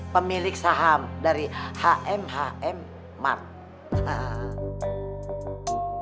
pemilik saham dari hmhm mark